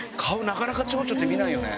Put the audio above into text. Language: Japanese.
なかなかチョウチョって見ないよね。